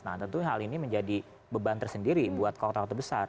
nah tentunya hal ini menjadi beban tersendiri buat kota kota besar